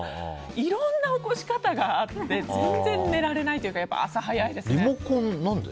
いろいろな起こし方があって全然寝られないというか朝早いですね。